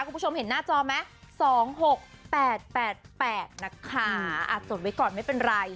คุณผู้ชมเห็นหน้าจอไหมสองหกแปดแปดแปดนะคะอ่าจนไว้ก่อนไม่เป็นไร